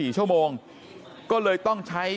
๔ชั่วโมงก็เลยต้องใช้